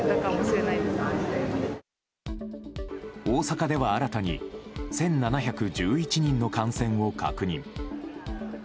大阪では新たに１７１１人の感染を確認。